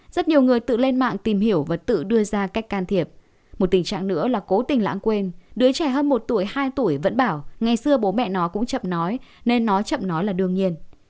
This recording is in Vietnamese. rất nhiều người tự lên mạng tìm hiểu và tự đưa ra cách can thiệp một tình trạng nữa là cố tình lãng quên đứa trẻ hơn một tuổi hai tuổi vẫn bảo ngày xưa bố mẹ nó cũng chậm nói nên nó chậm nói là đương nhiên